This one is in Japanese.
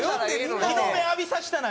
日の目浴びさせたくないねん。